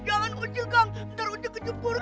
jangan ucil kang nanti udah kejumpur kang